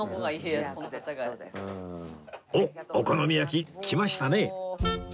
おっお好み焼き来ましたね